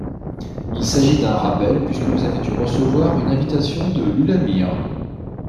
Il s’agit d’un rappel puisque vous avez dû recevoir une invitation de l’ULAMIR.